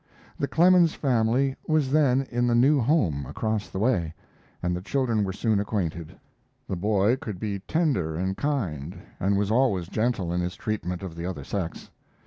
] The Clemens family was then in the new home across the way, and the children were soon acquainted. The boy could be tender and kind, and was always gentle in his treatment of the other sex.